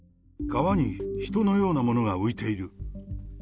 川に人のようなものが浮いている。